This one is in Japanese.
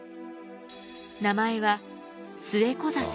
名前はスエコザサ。